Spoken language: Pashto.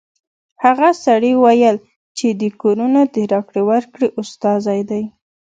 هغه سړي ویل چې د کورونو د راکړې ورکړې استازی دی